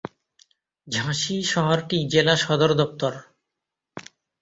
ঝাঁসি শহরটি জেলা সদর দপ্তর।